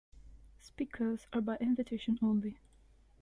Speakers are by invitation only.